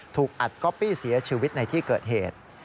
ถูกอัดก๊อปปี้เสียชีวิตในที่เกิดเหตุ